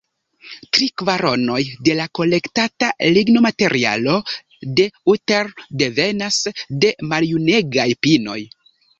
Tri kvaronoj de la kolektata lignomaterialo de Utter devenas de maljunegaj pinoj.